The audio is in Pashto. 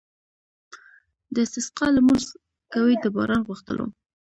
د استسقا لمونځ کوي د باران غوښتلو.